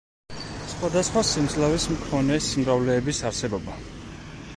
სხვადასხვა სიმძლავრის მქონე სიმრავლეების არსებობა.